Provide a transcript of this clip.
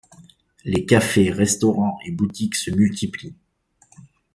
Les cafés, restaurants et boutiques se multiplient.